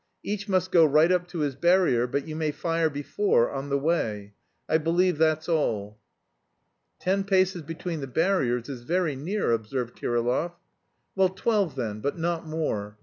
Each must go right up to his barrier, but you may fire before, on the way. I believe that's all." "Ten paces between the barriers is very near," observed Kirillov. "Well, twelve then, but not more.